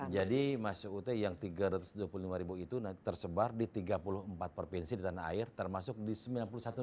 jadi mas ut yang tiga ratus dua puluh lima ribu itu tersebar di tiga puluh empat provinsi di tanah air termasuk di sembilan puluh satu negara di luar negeri